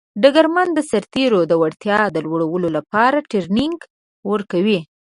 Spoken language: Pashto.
ډګرمن د سرتیرو د وړتیا لوړولو لپاره ټرینینګ ورکوي.